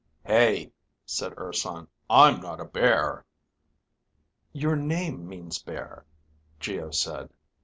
_" "Hey," said Urson. "I'm not a bear." "Your name means bear," Geo said.